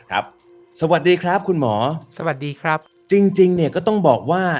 สวัสดีครับคุณหมอสวัสดีครับจริงจริงเนี่ยก็ต้องบอกว่า